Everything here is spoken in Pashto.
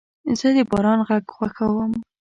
زه د باران غږ خوښوم.